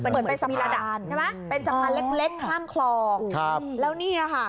เหมือนไปสะพานใช่ไหมเป็นสะพานเล็กข้ามคลองแล้วนี่ค่ะ